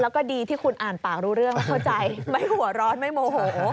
แล้วก็ดีที่คุณอ่านปากรู้เรื่องแล้วเข้าใจไม่หัวร้อนไม่โมโห